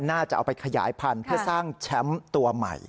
น่าจะเอาไปขยายพันธุ์เพื่อสร้างแชมป์ตัวใหม่